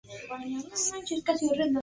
Las circunstancias de esto son discutibles.